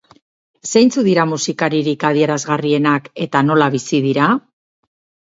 Zeintzuk dira musikaririk adierazgarrienak eta nola bizi dira?